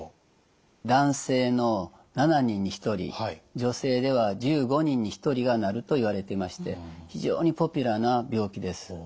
男性の７人に１人女性では１５人に１人がなるといわれてまして非常にポピュラーな病気です。